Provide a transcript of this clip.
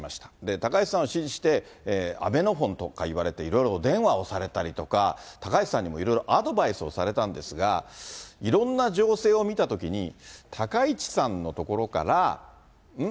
高市さんを支持して、アベノフォンとか言われていろいろお電話をされたりとか、高市さんにもいろいろアドバイスをされたんですが、いろんな情勢を見たときに、高市さんのところから、ん？